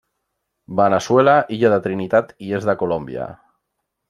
Veneçuela, illa de Trinitat i est de Colòmbia.